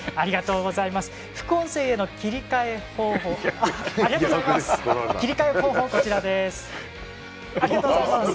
副音声への切り替え方法はこちらです。